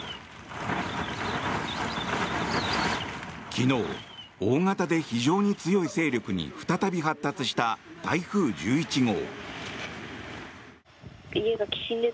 昨日、大型で非常に強い勢力に再び発達した台風１１号。